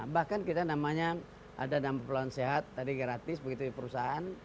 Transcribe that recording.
bahkan kita namanya ada nama perpuluhan sehat tadi gratis begitu perusahaan